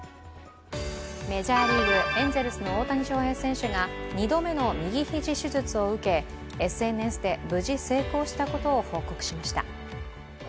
メジャーリーグエンゼルスの大谷翔平選手が２度目の右肘手術を受け、ＳＮＳで無事成功したことを報告しました。